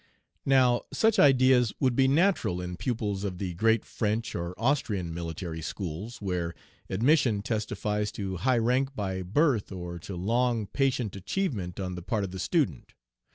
Now such ideas would be natural in pupils of the great French or Austrian military schools, where admission testifies to high rank by birth or to long, patient achievement on the part of the student.